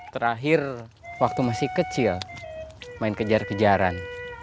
terakhir waktu masih kecil main kejar kejaran